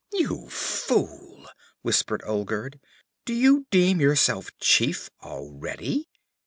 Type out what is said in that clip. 'You fool!' whispered Olgerd. 'Do you deem yourself chief already?'